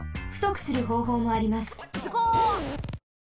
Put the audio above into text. ふとくするほうほうもあります。